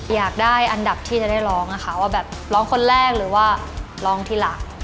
อยากได้อันดับที่จะได้ร้องนะคะว่าแบบร้องคนแรกหรือว่าร้องทีหลัง